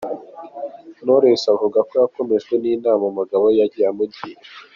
Knowless avuga ko yakomejwe n’inama umugabo we yagiye amugira.